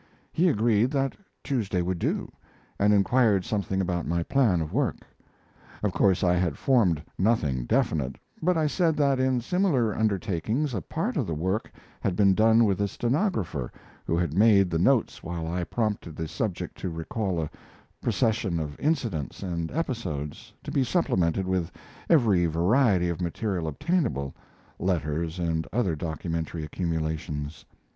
He agreed that Tuesday would do, and inquired something about my plan of work. Of course I had formed nothing definite, but I said that in similar undertakings a part of the work had been done with a stenographer, who had made the notes while I prompted the subject to recall a procession of incidents and episodes, to be supplemented with every variety of material obtainable letters and other documentary accumulations.